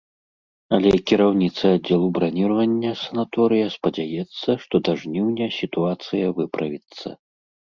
Але кіраўніца аддзелу браніравання санаторыя спадзяецца, што да жніўня сітуацыя выправіцца.